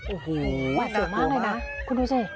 โอ้โฮน่ากลัวมากเลยนะคุณดูสิ